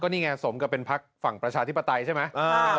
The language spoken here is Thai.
นี่ไงสมกับเป็นพักฝั่งประชาธิปไตยใช่ไหม